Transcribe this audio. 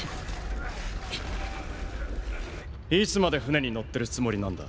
いつまで船に乗ってるつもりなんだ。